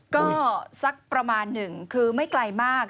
ก็สักประมาณหนึ่งคือไม่ไกลมาก